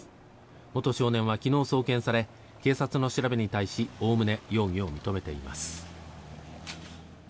元少年は昨日送検され警察の調べに対しおおむね容疑を認めています。